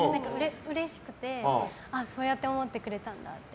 うれしくてそうやって思ってくれたんだって。